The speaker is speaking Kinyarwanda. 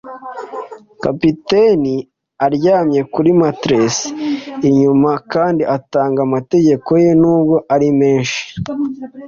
capitaine aryamye kuri matelas inyuma kandi atanga amategeko ye, nubwo ari menshi